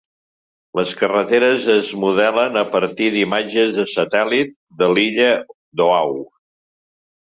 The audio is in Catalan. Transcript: Les carreteres es modelen a partir d'imatges de satèl·lit de l'illa d'Oahu.